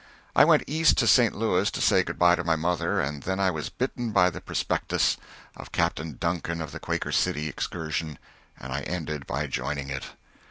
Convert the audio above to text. I went East to St. Louis to say good bye to my mother, and then I was bitten by the prospectus of Captain Duncan of the "Quaker City" excursion, and I ended by joining it.